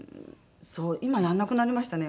今やらなくなりましたね